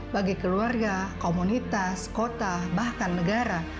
bagi keluarga komunitas kota bahkan negara